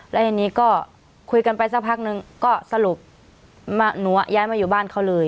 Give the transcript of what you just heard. แล้วทีนี้ก็คุยกันไปสักพักนึงก็สรุปหนูย้ายมาอยู่บ้านเขาเลย